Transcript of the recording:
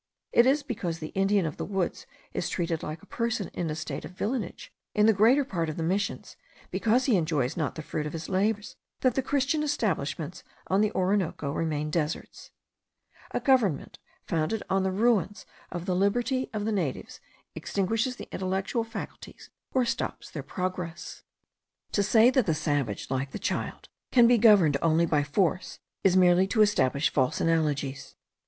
It is because the Indian of the woods is treated like a person in a state of villanage in the greater part of the Missions, because he enjoys not the fruit of his labours, that the Christian establishments on the Orinoco remain deserts. A government founded on the ruins of the liberty of the natives extinguishes the intellectual faculties, or stops their progress. To say that the savage, like the child, can be governed only by force, is merely to establish false analogies.